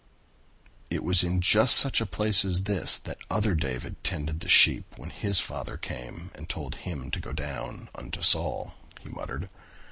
"It was in just such a place as this that other David tended the sheep when his father came and told him to go down unto Saul," he muttered.